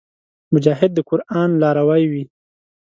مجاهد د قران لاروي وي.